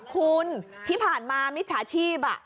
คุณที่ผ่านมามิจฉาชีพ